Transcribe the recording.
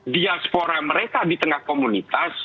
diaspora mereka di tengah komunitas